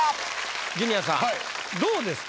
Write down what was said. ジュニアさんどうですか？